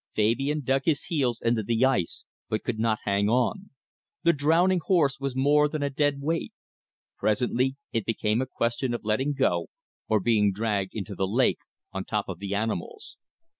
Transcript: Fabian dug his heels into the ice, but could not hang on. The drowning horse was more than a dead weight. Presently it became a question of letting go or being dragged into the lake on top of the animals.